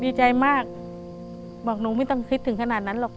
ดีใจมากบอกหนูไม่ต้องคิดถึงขนาดนั้นหรอก